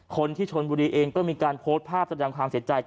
คนที่ชนบุรีเองก็มีการโพสต์ภาพแสดงความเสียใจ